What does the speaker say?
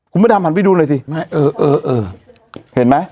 คุณพ่อดามหันไปดูเลยสิเห็นมั้ย